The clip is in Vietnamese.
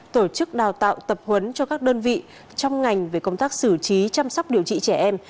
tổ chức đào tạo tập huấn cho các đơn vị trong ngành về công tác xử trí chăm sóc điều trị trẻ em